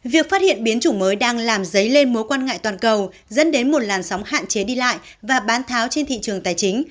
việc phát hiện biến chủng mới đang làm dấy lên mối quan ngại toàn cầu dẫn đến một làn sóng hạn chế đi lại và bán tháo trên thị trường tài chính